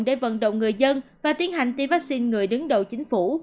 để vận động người dân và tiến hành tiêm vaccine người đứng đầu chính phủ